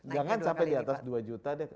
jangan sampai di atas dua juta deh